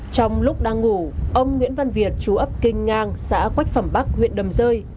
trong lúc đang ngủ ông nguyễn văn việt chú ấp kinh ngang xã quách phẩm bắc huyện đầm rơi